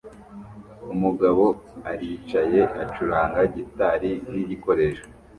Umugabo aricaye acuranga gitari nkigikoresho